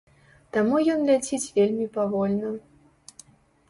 Таму ён ляціць вельмі павольна.